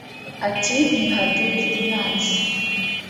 Ati “Ni haduyi [umwanzi]